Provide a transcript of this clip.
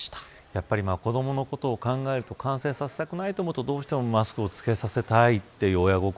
やっぱり子どものことを考えると感染させたくないと思うとマスクを着けさせたい親心。